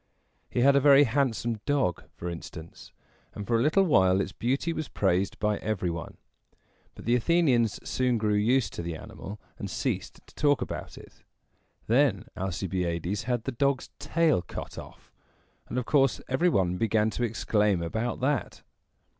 He had a very handsome dog, for instance; and for a little while its beauty was praised by every one. But the Athenians soon grew used to the animal, and ceased to talk about it. Then Alcibiades had the dog's tail cut off, and of course every one began to exclaim about that.